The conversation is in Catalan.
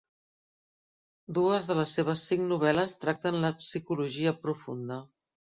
Dues de les seves cinc novel·les tracten la psicologia profunda.